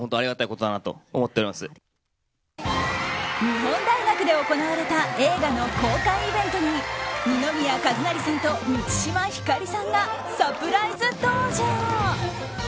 日本大学で行われた映画の公開イベントに二宮和也さんと満島ひかりさんがサプライズ登場。